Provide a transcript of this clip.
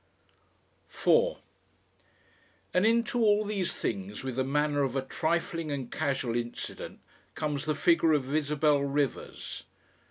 4 And into all these things with the manner of a trifling and casual incident comes the figure of Isabel Rivers.